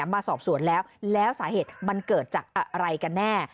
มาสอบสวนแล้วแล้วสาเหตุมันเกิดจากอะไรกันแน่